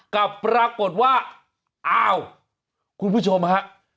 กลับปรากฏว่าอ้าวคุณผู้ชมฮะ